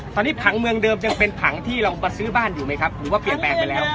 ตอนนี้ผังเมืองเดิมยังเป็นผังที่เรามาซื้อบ้านอยู่ไหมครับหรือว่าเปลี่ยนแปลงไปแล้ว